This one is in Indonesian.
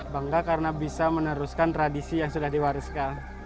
bangga karena bisa meneruskan tradisi yang sudah diwariskan